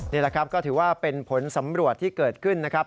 นี่แหละครับก็ถือว่าเป็นผลสำรวจที่เกิดขึ้นนะครับ